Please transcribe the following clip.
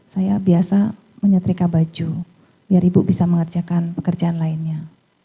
saya biasa menyetrika baju biar ibu bisa mengerjakan pekerjaan lainnya